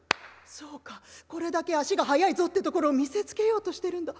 そうかこれだけ足が速いぞってところを見せつけようとしてるんだ。